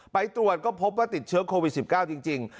ไปตรวจก็พบว่าติดเชื้อโควิด๑๙จริง